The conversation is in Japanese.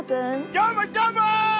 どーも、どーも！